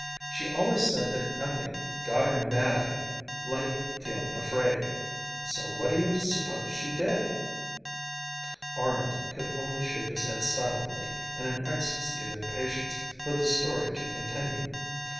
She always said that nothing 'got her mad up' like feeling afraid. So what do you suppose she did?" Arnold could only shake his head silently in an ecstasy of impatience for the story to continue.